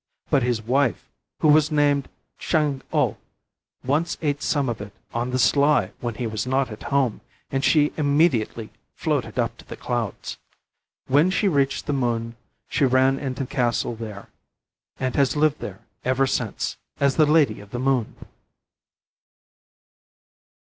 But his wife who was named Tschang O, once ate some of it on the sly when he was not at home, and she immediately floated up to the clouds. When she reached the moon, she ran into the castle there, and has lived there ever since as the Lady of the Moon.